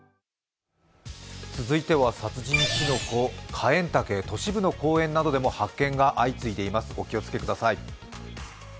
続いては殺人きのこカエンタケ都市部の公園などでも発見が相次いでいます、お気をつけください。